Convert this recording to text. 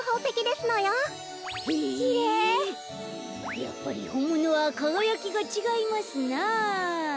やっぱりほんものはかがやきがちがいますな。